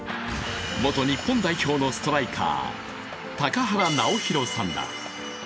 元日本代表のストライカー、高原直泰さんだ。